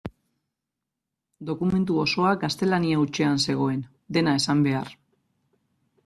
Dokumentu osoa gaztelania hutsean zegoen, dena esan behar.